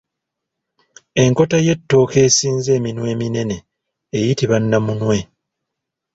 Enkota y’Ettooke esinza eminwe eminene eyitibwa Namunwe.